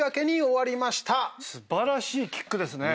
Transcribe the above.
素晴らしいキックですね。